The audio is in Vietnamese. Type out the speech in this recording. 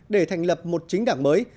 để thành lập một chính đảng mới